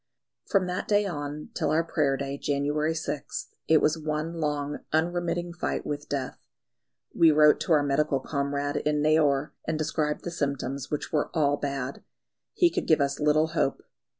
From that day on till our Prayer day, January 6th, it was one long, unremitting fight with death. We wrote to our medical comrade in Neyoor, and described the symptoms, which were all bad. He could give us little hope.